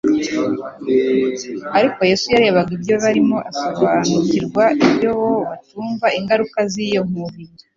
ariko Yesu yarebaga ibyo barimo asobariukirwa ibyo bo batumva: ingaruka z'iyo nkubiri.